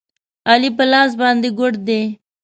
علي په لاس باندې ګوډ دی.